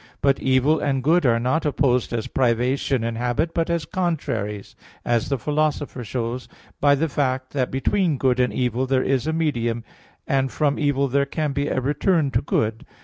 But evil and good are not opposed as privation and habit, but as contraries, as the Philosopher shows (Praedic. x) by the fact that between good and evil there is a medium, and from evil there can be a return to good.